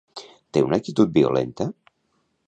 Té una actitud violenta?